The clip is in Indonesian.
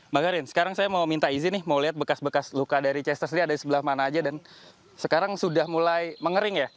mbak garin sekarang saya mau minta izin nih mau lihat bekas bekas luka dari chester sendiri ada di sebelah mana aja dan sekarang sudah mulai mengering ya